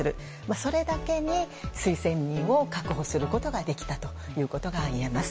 それだけに推薦人を確保することができたということが言えます。